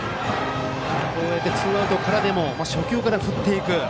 ツーアウトからでも初球から振っていく。